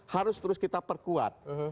harus terus kita perkuat